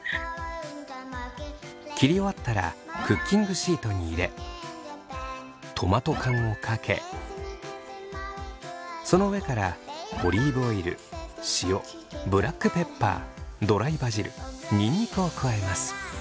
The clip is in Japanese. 切り終わったらクッキングシートに入れトマト缶をかけその上からオリーブオイル塩ブラックペッパードライバジルニンニクを加えます。